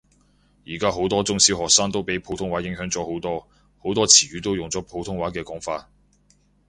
而家好多中小學生都俾普通話影響咗好多，好多詞語都用咗普通話嘅講法